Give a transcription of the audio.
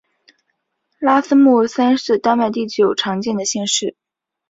拉斯穆森是丹麦第九常见的姓氏。